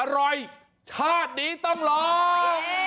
อร่อยชาติดีต้มหลอม